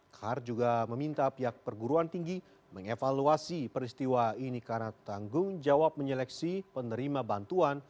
kahar juga meminta pihak perguruan tinggi mengevaluasi peristiwa ini karena tanggung jawab menyeleksi penerima bantuan